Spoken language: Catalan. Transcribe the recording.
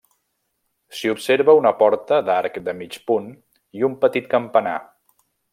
S'hi observa una porta d'arc de mig punt i un petit campanar.